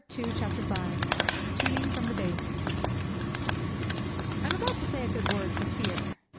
_' say I. V TUNING FROM THE BASS I am about to say a good word for Fear.